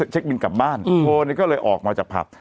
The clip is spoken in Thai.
เช็คบินกลับบ้านโพลก็เลยออกมาจากผับ